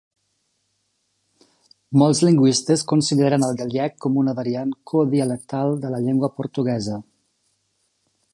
Molts lingüistes consideren el gallec com una variant codialectal de la llengua portuguesa.